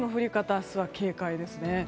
明日は警戒ですね。